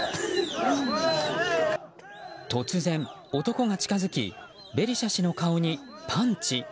突然、男が近づきベリシャ氏の顔にパンチ。